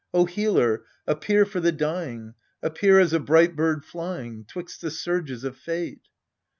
O Healer, appear for the dying, appear as a bright bird flying 'Twixt the surges of fate